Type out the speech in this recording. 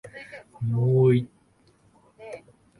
もう一葉の写真は、最も奇怪なものである